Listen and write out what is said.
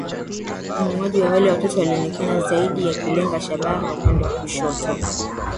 Muuaji wa wale Watoto alionekana zaidi akilenga shabaha upande wa kushoto